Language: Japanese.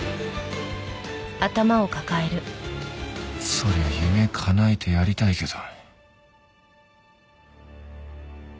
そりゃ夢かなえてやりたいけど。